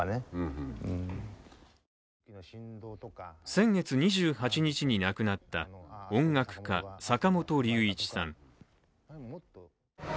先月２８日に亡くなった音楽家・坂本龍一さん。